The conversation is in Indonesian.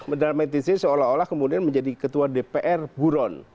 mendramatisir seolah olah kemudian menjadi ketua dpr buron